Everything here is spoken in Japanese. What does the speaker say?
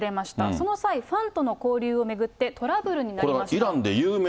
その際、ファンとの交流を巡って、トラブルになりました。